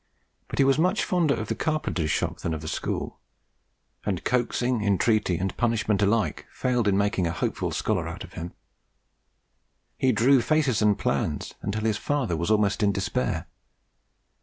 But he was much fonder of the carpenter's shop than of the school; and coaxing, entreaty, and punishment alike failed in making a hopeful scholar of him. He drew faces and plans until his father was almost in despair.